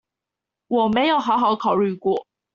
我沒有好好考慮過